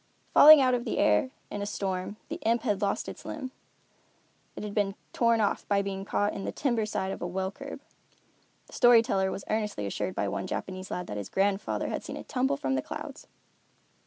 Falling out of the air in a storm, the imp had lost his limb. It had been torn off by being caught in the timber side of a well curb. The story teller was earnestly assured by one Japanese lad that his grandfather had seen it tumble from the clouds.